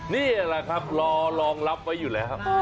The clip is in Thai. นี่ลองรับไว้อยู่แล้วครับ